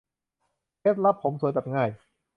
เคล็ดลับผมสวยแบบง่าย